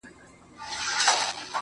چي پكښي خوند پروت وي~